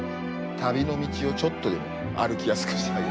旅の道をちょっとでも歩きやすくしてあげる。